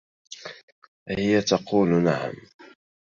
هي تقول نعم.